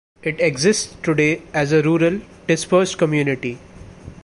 It exists today as a rural, dispersed community.